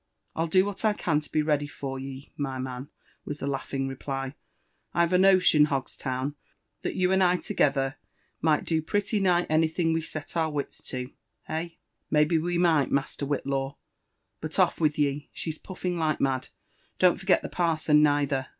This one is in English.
" I'll do what I can to be ready for ye, my man," was the laugh ing reply. '* I've a notion, Hogstown, that you and I together might do pretty nigh anything we set our wits to*— hey ?" JONATHAN JEFFERSON VVHITLAW. «51 ''Maybe W6 might, Muter Whitlaw. But off with ye— she'g poiBog like mad. Don't forget the parson neither.